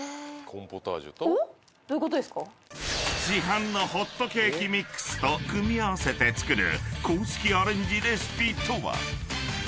［市販のホットケーキミックスと組み合わせて作る公式アレンジレシピとは？］